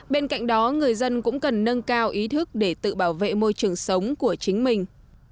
bên cạnh đó người dân cũng cần nâng cao ý thức để tự bảo vệ môi trường sống của chính mình